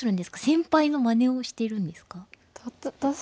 先輩のマネをしてるんですか？